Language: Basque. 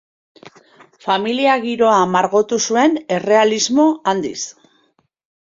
Familia-giroa margotu zuen, errealismo handiz.